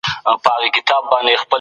د جهالت تورې تیارې باید ورکې سي.